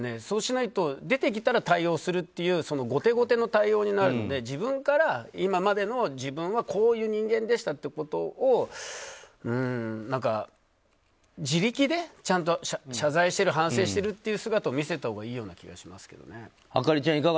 そうしないと出てきたら対応するという後手後手の対応になるので自分から、今までの自分はこういう人間でしたということを自力でちゃんと謝罪してる反省しているという姿を見せたほうがいいような気がしますけどね。